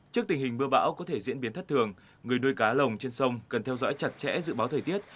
trước tình hình mưa bão có thể diễn biến thất thường người nuôi cá lồng trên sông cần theo dõi chặt chẽ dự báo thời tiết